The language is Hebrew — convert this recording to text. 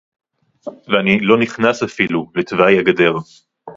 ואני לא נכנס אפילו לתוואי הגדר